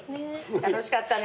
楽しかったね。